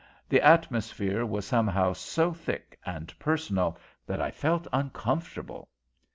The atmosphere was somehow so thick and personal that I felt uncomfortable.